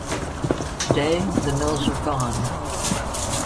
Today, the mills are gone.